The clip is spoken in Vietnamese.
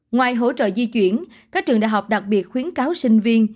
ngoài hỗ trợ di chuyển các trường đại học đặc biệt khuyến cáo sinh viên